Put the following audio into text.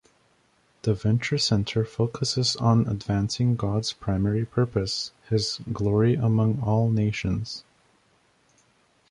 The Venture Center focuses on advancing God's primary purpose: His glory among all nations.